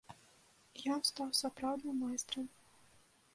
Ён стаў сапраўдным майстрам.